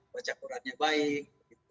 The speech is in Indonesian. baca qurannya baik